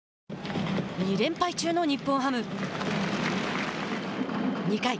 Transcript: ２連敗中の日本ハム。２回。